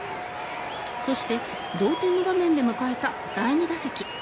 そして、同点の場面で迎えた第２打席。